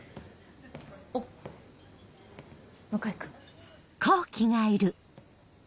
おっ向井君。